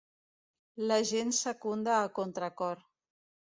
La gent secunda a contracor.